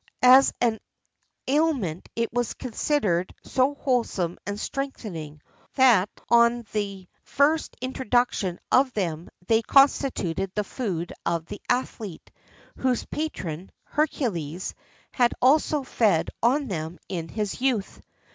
As an aliment it was considered so wholesome and strengthening, that on the first introduction of them they constituted the food of the athletæ, whose patron, Hercules, had also fed on them in his youth.